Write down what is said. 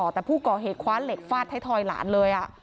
แต่ผู้ก่อเหตุคว้าเหล็กฟาดไทยทอยหลานเลย